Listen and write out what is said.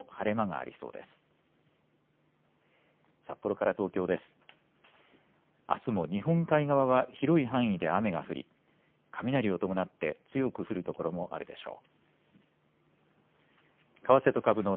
あすも日本海側は広い範囲で雨が降り、雷を伴って強く降る所もあるでしょう。